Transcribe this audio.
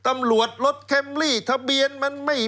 ตำหลวดรถแคมพ์รี่ทะเบียนมันไม่มี